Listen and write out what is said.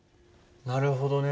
なるほどね。